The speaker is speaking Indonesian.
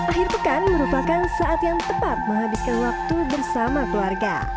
akhir pekan merupakan saat yang tepat menghabiskan waktu bersama keluarga